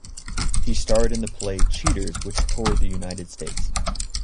He starred in the play "Cheaters", which toured the United States.